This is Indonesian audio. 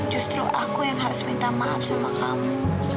justru aku yang harus minta maaf sama kamu